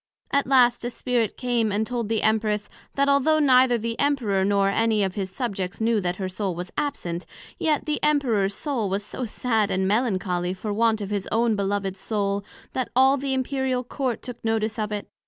At last a Spirit came and told the Empress, That although neither the Emperor nor any of his Subjects knew that her Soul was absent; yet the Emperor's Soul was so sad and melancholy for want of His own beloved Soul, that all the Imperial Court took notice of it.